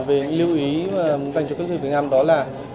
về lưu ý dành cho các doanh nghiệp việt nam đó là